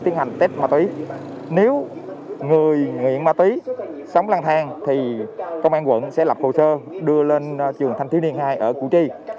nếu người nghiện ma túy sống lang thang thì công an quận sẽ lập hồ sơ đưa lên trường thanh thiếu niên hai ở củ chi